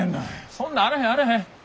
そんなんあらへんあらへん。